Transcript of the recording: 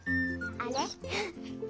あれ？